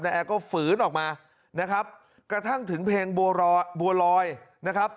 แอร์ก็ฝืนออกมานะครับกระทั่งถึงเพลงบัวรอยบัวลอยนะครับ